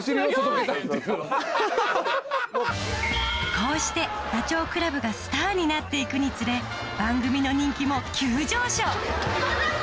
こうしてダチョウ倶楽部がスターになって行くにつれ番組の人気も急上昇！